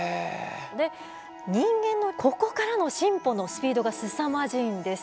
で人間のここからの進歩のスピードがすさまじいんです。